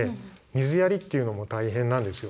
水やりっていうのも大変なんですよ。